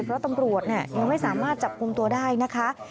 เพราะตำรวจยังไม่สามารถจับกลุ่มตัวได้นะคะ